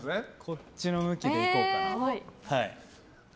こっちの向きでいこうかな。